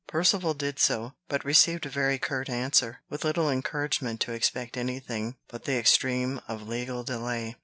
Percivale did so, but received a very curt answer, with little encouragement to expect any thing but the extreme of legal delay.